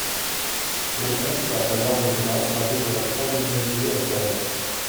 Le comte garde alors les droits sur la route de la Croix-de-Monvieux à Feurs.